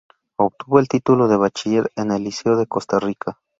Obtuvo el título de bachiller en el Liceo de Costa Rica.